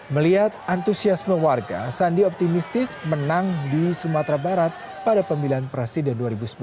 melihat antusiasme warga sandi optimistis menang di sumatera barat pada pemilihan presiden dua ribu sembilan belas